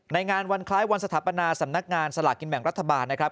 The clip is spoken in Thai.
ในงานวันคล้ายวันสถาปนาสำนักงานสลากกินแบ่งรัฐบาลนะครับ